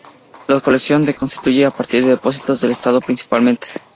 La colección se constituye a partir de depósitos del estado principalmente.